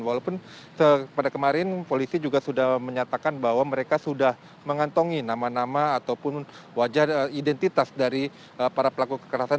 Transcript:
walaupun pada kemarin polisi juga sudah menyatakan bahwa mereka sudah mengantongi nama nama ataupun wajah identitas dari para pelaku kekerasan